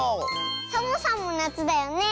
サボさんもなつだよねえ？